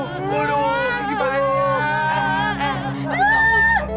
aduh aduh sedikit banyak